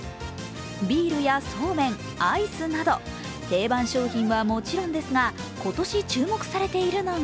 ビールやそうめん、アイスなど定番商品はもちろんですが今年、注目されているのが